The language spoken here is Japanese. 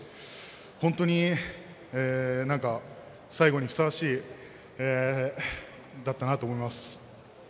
本当に、何か最後にふさわしいだったなと思います。